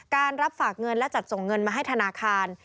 รับฝากเงินและจัดส่งเงินมาให้ธนาคาร